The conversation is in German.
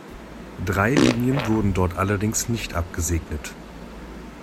Drei Linien wurden dort allerdings nicht abgesegnet.